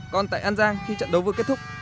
còn tại an giang khi trận đấu vừa kết thúc